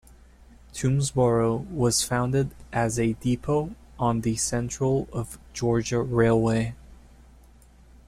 Toomsboro was founded as a depot on the Central of Georgia Railway.